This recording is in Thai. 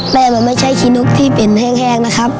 แต่มันไม่ใช่ขี้นกที่เป็นแห้งนะครับ